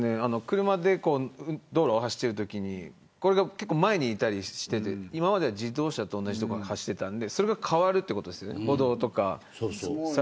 車で道路を走っているときにこれが前にいたりして今まで自動車と同じ所を走っていたんでそれが変わるということですね。